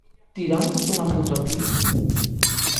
Tíramonos unha foto aquí?